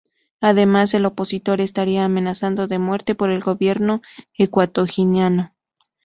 Además, el opositor estaría amenazado de muerte por el gobierno ecuatoguineano.